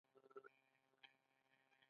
انسان او ټولنه، طبیعت، کاینات به تعریفوي.